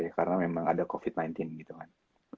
karena memang ada covid sembilan belas gitu kan